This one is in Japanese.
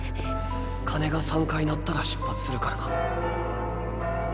鐘が３回鳴ったら出発するからな。